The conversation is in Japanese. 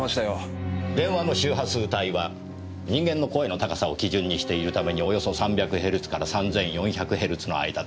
電話の周波数帯は人間の声の高さを基準にしているためにおよそ３００ヘルツから３４００ヘルツの間です。